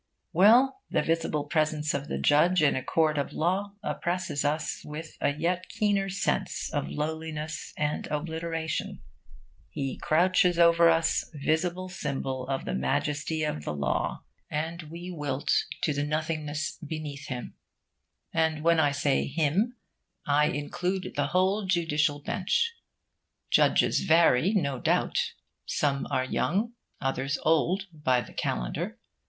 Well, the visible presence of the judge in a court of law oppresses us with a yet keener sense of lowliness and obliteration. He crouches over us, visible symbol of the majesty of the law, and we wilt to nothingness beneath him. And when I say 'him' I include the whole judicial bench. Judges vary, no doubt. Some are young, others old, by the calendar.